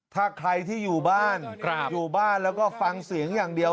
ถ้าใครที่อยู่บ้านอยู่บ้านแล้วก็ฟังเสียงอย่างเดียว